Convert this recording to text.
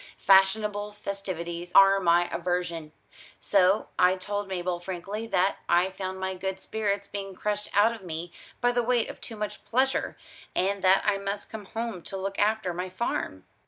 Fashionable festivities are my aversion. So I told Mabel frankly that I found my good spirits being crushed out of me by the weight of too much pleasure, and that I must come home to look after my farm.